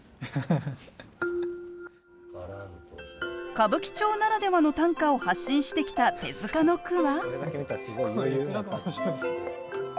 歌舞伎町ならではの短歌を発信してきた手塚の句は。